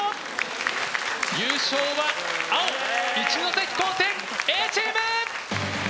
優勝は青一関高専Ａチーム！